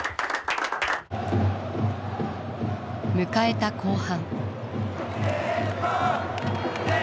迎えた後半。